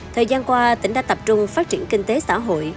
thời gian qua tỉnh đã tập trung phát triển kinh tế xã hội